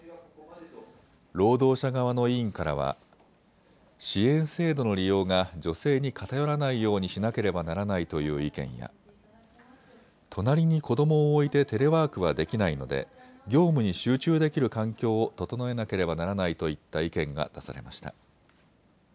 労働者側の委員からは支援制度の利用が女性に偏らないようにしなければならないという意見や隣に子どもを置いてテレワークはできないので業務に集中できる環境を整えなければならないといった意見が出されました。